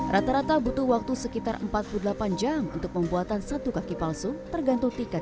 rata rata butuh waktu sekitar empat puluh delapan jam untuk pembuatan satu kaki palsu tergantung tiket